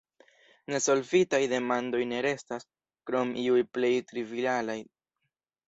Nesolvitaj demandoj ne restas, krom iuj plej trivialaj.